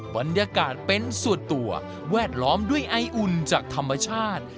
บรรยากาศเป็นส่วนตัวแวดล้อมด้วยไออุ่นจากธรรมชาติ